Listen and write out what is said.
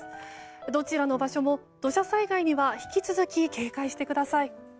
どちらの場所も土砂災害には引き続き警戒してください。